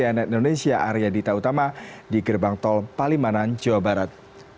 cnn indonesia arya dita utama di gerbang tol palimanan jawa barat